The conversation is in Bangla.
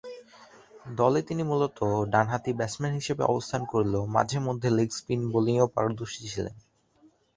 দলে তিনি মূলতঃ ডানহাতি ব্যাটসম্যান হিসেবে অবস্থান করলেও মাঝে-মধ্যে লেগ-স্পিন বোলিংয়ে পারদর্শী ছিলেন।